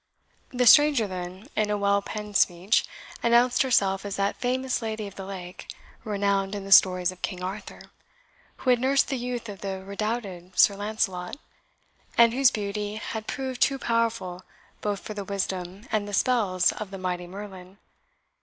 The stranger then, in a well penned speech, announced herself as that famous Lady of the Lake renowned in the stories of King Arthur, who had nursed the youth of the redoubted Sir Lancelot, and whose beauty 'had proved too powerful both for the wisdom and the spells of the mighty Merlin.